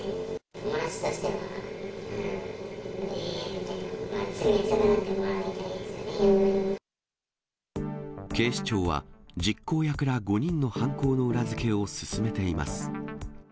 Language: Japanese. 友達としては、警視庁は、実行役ら５人の犯行の裏付けを進めています。